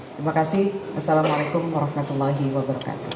terima kasih wassalamualaikum wr wb